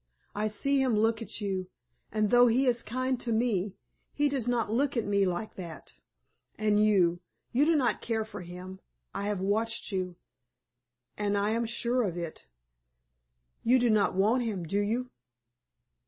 I see him look at you, and though he is kind to me, he does not look at me like that. And you you do not care for him. I have watched you, and I am sure of it. You do not want him, do you?"